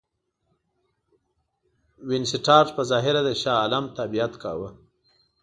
وینسیټارټ په ظاهره د شاه عالم تابعیت کاوه.